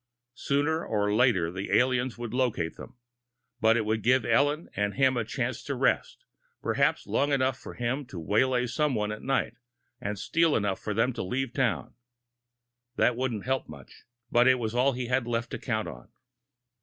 Sooner or later, the aliens would locate them. But it would give Ellen and him a chance to rest perhaps long enough for him to waylay someone at night and steal enough for them to leave town. That wouldn't be much help but it was all he had left to count on.